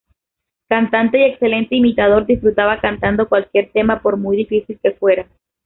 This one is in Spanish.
Cantante y excelente imitador, disfrutaba cantando cualquier tema, por muy difícil que fuera.